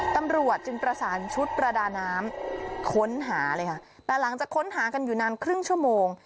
ตำรวจจึงประสานชุดประดาน้ำค้นหาเลยค่ะแต่หลังจากค้นหากันอยู่นานครึ่งชั่วโมง